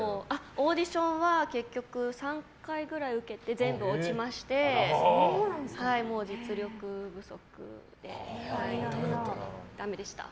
オーディションは結局３回くらい受けて全部落ちまして実力不足でダメでした。